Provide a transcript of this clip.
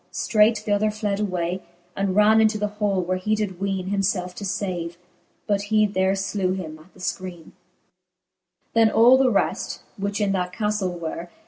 Streight th'other fled away> And ran into the hall, where he did weene Himielfe to fave : but he there flew him at the fkreene. XXXVIII. Then all the reft, which in that caftle were.